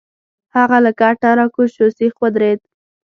هغه له کټ نه راکوز شو، سیخ ودرید.